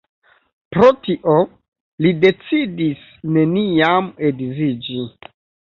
Pro tio, li decidis neniam edziĝi.